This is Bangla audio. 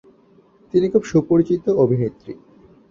তিনি খুব সুপরিচিত অভিনেত্রী।